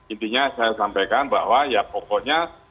intinya saya sampaikan bahwa ya pokoknya